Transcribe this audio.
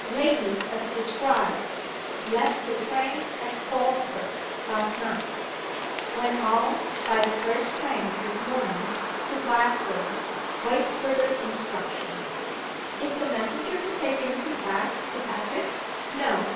Lady, as described, left the train at Falkirk last night. Went on, by the first train this morning, to Glasgow. Wait further instructions." "Is the messenger to take any thing back, Sir Patrick?" "No.